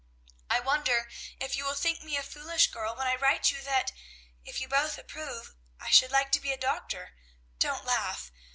"I wonder if you will think me a foolish girl when I write you that, if you both approve, I should like to be a doctor! Don't laugh!